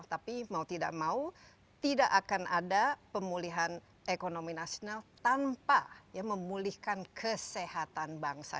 tapi mau tidak mau tidak akan ada pemulihan ekonomi nasional tanpa memulihkan kesehatan bangsa